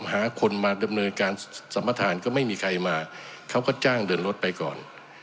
หาคนมาดำเนินการสัมประธานก็ไม่มีใครมาเขาก็จ้างเดินรถไปก่อน